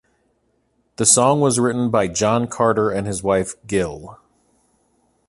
The song was written by John Carter and his wife Gill.